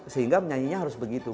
sehingga nyanyinya harus begitu